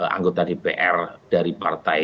anggota dpr dari partai